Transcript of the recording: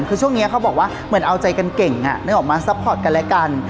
คือช่วงนี้เขาบอกว่าเหมือนเอาใจกันเก่งนึกออกมาซัพพอร์ตกันและกัน